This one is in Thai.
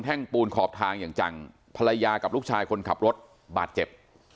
่งปูนขอบทางอย่างจังภรรยากับลูกชายคนขับรถบาดเจ็บ